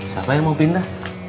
siapa yang mau pindah